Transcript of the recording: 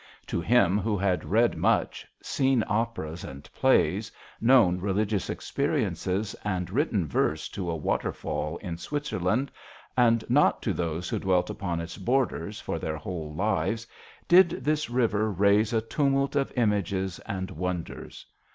To him who had read much, seen operas and plays, known religious experi ences, and written verse to a waterfall in Switzerland, and not to those who dwelt upon its bor ders for their whole lives, did this river raise a tumult of images and wonders.